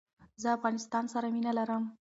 زه افغانستان سر مینه لرم